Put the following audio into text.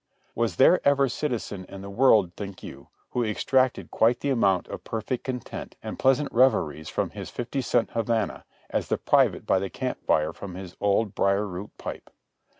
Was there ever citizen in the world, think you. who extracted quite the amount of perfect content and pleasant reveries from his fifty cent Havana, as the private by the camp fire from his old briar root pipe?